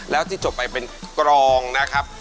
แล้วที่จบไปเป็นกรองนะครับ